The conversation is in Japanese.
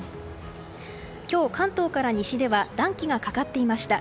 今日、関東から西では暖気がかかっていました。